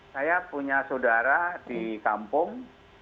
saya punya saudara di kampung